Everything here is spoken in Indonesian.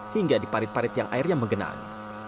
hingga di parit parit yang airnya menggenang